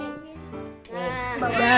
nah aku bawa nya